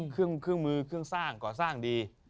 เครื่องมือเครื่องสร้างก่อสร้างดี